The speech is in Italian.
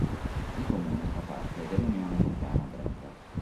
Il comune fa parte dell'Unione montana Brenta.